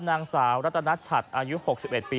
นางสาวรัตนัชอายุ๖๑ปี